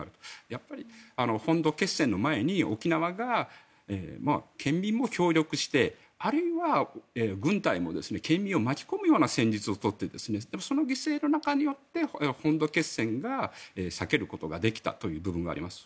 やっぱり、本土決戦の前に沖縄が県民も協力してあるいは軍隊も県民を巻き込むような戦術を取ってその犠牲の中によって本土決戦を避けることができた部分があります。